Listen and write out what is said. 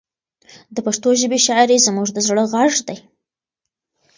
د پښتو ژبې شاعري زموږ د زړه غږ دی.